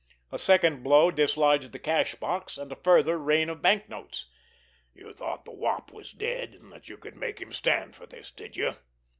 A second blow dislodged the cash box, and a further rain of banknotes. "You thought the Wop was dead, and that you could make him stand for this, did you!"